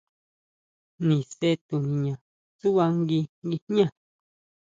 Nise tuniña tsúʼba ngui guijñá.